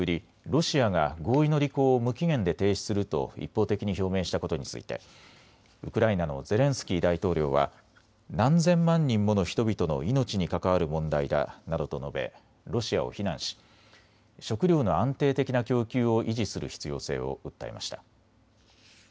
ロシアが合意の履行を無期限で停止すると一方的に表明したことについてウクライナのゼレンスキー大統領は何千万人もの人々の命に関わる問題だなどと述べロシアを非難し食料の安定的な供給を維持する必要性を訴えました。